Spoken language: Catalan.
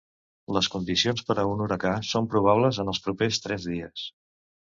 Les condicions per a un huracà són probables en els propers tres dies.